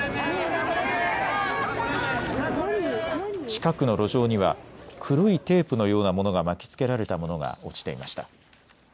近くの路上には黒いテープのようなものが巻き付けられたものが落ちていました。